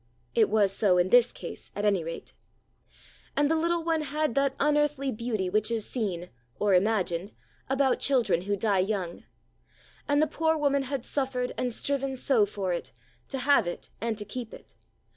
It was so in this case, at any rate. And the little one had that unearthly beauty which is seen, or imagined, about children who die young. And the poor woman had suffered and striven so for it, to have it and to keep it.